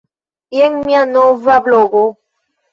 Jen mia nova blogo.